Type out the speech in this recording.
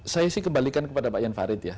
saya sih kembalikan kepada pak ian farid ya